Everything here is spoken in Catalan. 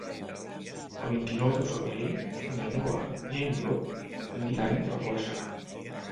El vint-i-nou de febrer na Noa i en Llop aniran a Flaçà.